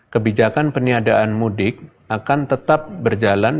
kebijakan peniadaan mudik akan tetap berjalan